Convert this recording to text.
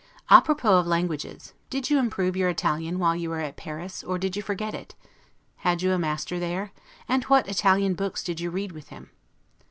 A propos of languages: Did you improve your Italian while you were at Paris, or did you forget it? Had you a master there? and what Italian books did you read with him?